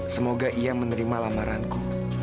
semoga ia menerima lamaranku